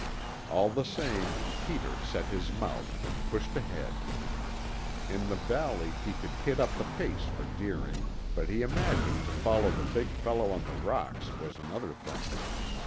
All the same, Peter set his mouth and pushed ahead. In the valley, he could hit up the pace for Deering, but he imagined to follow the big fellow on the rocks was another thing.